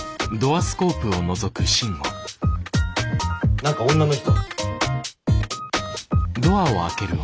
何か女の人。